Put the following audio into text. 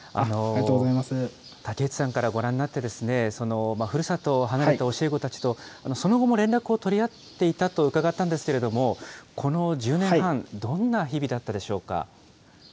武内さんからご覧になって、ふるさとを離れた教え子たちと、その後も連絡を取り合っていたと伺ったんですけれども、この１０年半、どんな日々だったでしょうか。